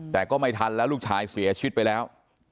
แต่ก็ไม่ทันแล้วลูกชายเสียชีวิตไปแล้ว